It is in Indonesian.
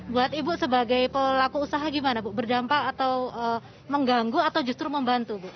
buat ibu sebagai pelaku usaha gimana bu berdampak atau mengganggu atau justru membantu bu